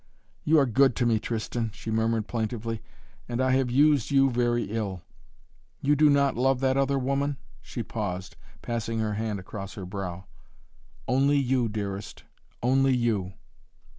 "You are good to me, Tristan," she murmured plaintively, "and I have used you very ill! You do not love that other woman?" She paused, passing her hand across her brow. "Only you, dearest only you!"